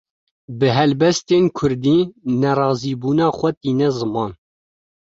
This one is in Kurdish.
Bi helbestên Kurdî, nerazîbûna xwe tîne ziman